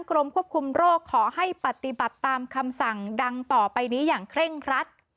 กรมควบคุมโรคขอให้ปฏิบัติตามคำสั่งดังต่อไปนี้อย่างเคร่งครัด